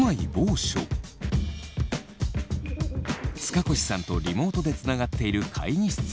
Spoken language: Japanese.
塚越さんとリモートでつながっている会議室。